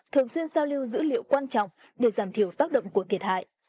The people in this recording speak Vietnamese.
thường xuyên giao lưu dữ liệu quan trọng để giảm thiểu tác động của thiệt hại